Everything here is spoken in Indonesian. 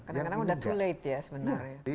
kadang kadang sudah terlambat ya sebenarnya